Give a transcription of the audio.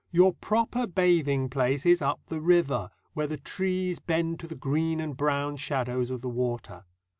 Your proper bathing place is up the river, where the trees bend to the green and brown shadows of the water.